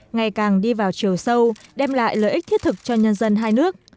ngày càng đi vào chiều sâu đem lại lợi ích thiết thực cho nhân dân hai nước